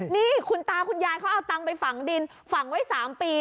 นี่คุณตาคุณยายเขาเอาตังค์ไปฝังดินฝังไว้๓ปี